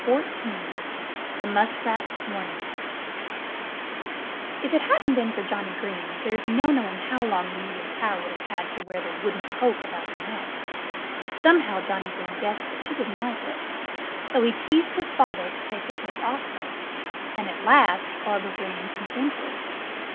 XIV THE MUSKRATS' WARNING If it hadn't been for Johnnie Green there's no knowing how long the Muley Cow would have had to wear the wooden poke about her neck. Somehow Johnnie Green guessed that she didn't like it. So he teased his father to take the poke off her. And at last Farmer Green consented.